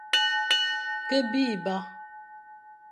Ko biba.